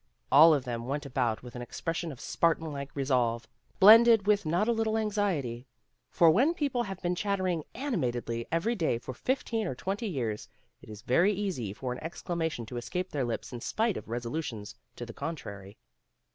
All of them went about with an expression of Spartan like resolve, blended with not a little anxiety. For when people have been chattering animatedly every day for fifteen or twenty years, it is very easy for an exclamation to escape their lips in spite of resolutions to the contrary.